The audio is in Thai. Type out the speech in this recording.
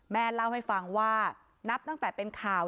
แม่เล่าให้ฟังว่านับตั้งแต่เป็นข่าว